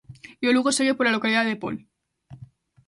E o Lugo segue pola localidade de Pol.